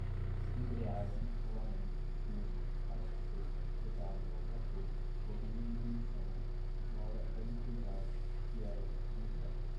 embreagem, rolamento, disco, caixa-seca, pedal, platô, bobina de ignição, mola helicoidal, biela, manivela